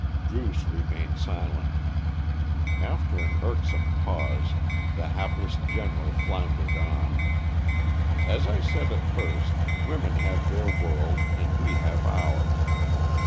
Druce remained silent. After an irksome pause the hapless General floundered on "As I said at first, women have their world, and we have ours.